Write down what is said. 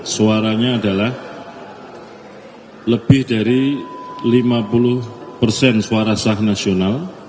suaranya adalah lebih dari lima puluh persen suara sah nasional